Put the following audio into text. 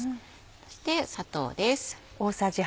そして砂糖です。